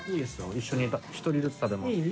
一緒に１人ずつ食べます。